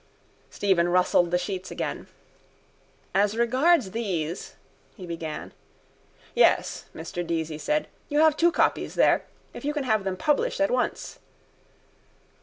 Stephen rustled the sheets again. —As regards these, he began. —Yes, Mr Deasy said. You have two copies there. If you can have them published at once.